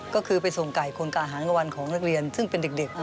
ก็คือไปส่งไก่คนกาหารกับวันของนักเรียนซึ่งเป็นเด็ก